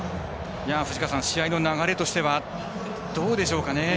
試合の流れとしてはどうでしょうかね。